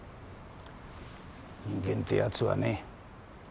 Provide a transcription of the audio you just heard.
人間ってやつはね